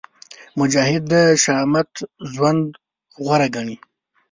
مجاهد د شهامت ژوند غوره ګڼي.